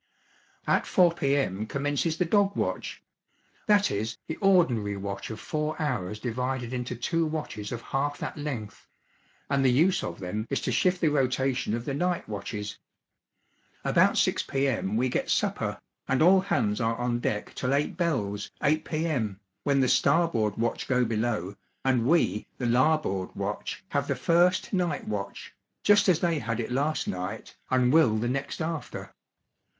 At 4 P.M. commences the dog watch that is, the ordinary watch of four hours divided into two watches of half that length; and the use of them is to shift the rotation of the night watches. About 6 P.M. we get supper, and all hands are on deck till eight bells (8 P.M.), when the starboard watch go below, and we, the larboard watch, have the first night watch just as they had it last night, and will the next after.